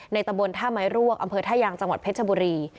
ตะบนท่าไม้รวกอำเภอท่ายางจังหวัดเพชรบุรี